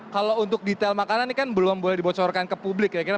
kalau untuk detail makanan ini kan belum boleh dibocorkan ke publik ya kira kira